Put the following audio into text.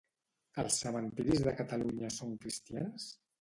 Els cementiris de Catalunya són cristians?